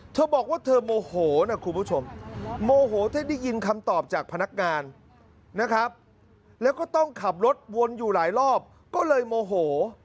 เธอบอกว่าเธอโมโหนะคุณผู้ชมโมโหถ้าได้ยินคำตอบจากพนักงานนะครับแล้วก็ต้องขับรถวนอยู่หลายรอบก็เลยโมโห